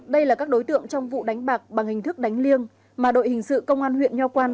đây là các đối tượng trong vụ đánh bạc bằng hình thức đánh liêng mà đội hình sự công an huyện nho quan